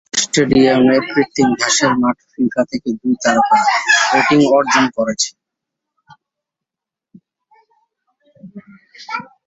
স্টেডিয়ামের কৃত্রিম ঘাসের মাঠ ফিফা থেকে দুই তারকা রেটিং অর্জন করেছে।